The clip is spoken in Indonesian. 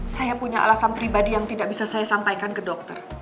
saya punya alasan pribadi yang tidak bisa saya sampaikan ke dokter